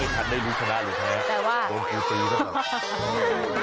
ไม่ทันได้รู้ชนะหรือแพ้โดนกูซื้อก็แบบนั้น